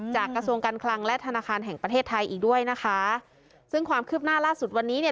กระทรวงการคลังและธนาคารแห่งประเทศไทยอีกด้วยนะคะซึ่งความคืบหน้าล่าสุดวันนี้เนี่ย